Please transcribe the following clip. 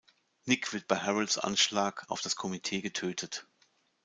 Nick wird bei Harolds Anschlag auf das Komitee getötet.